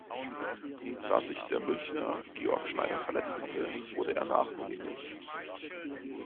Da sich der Münchner Georg Schneider verletzt hatte, wurde er nachnominiert.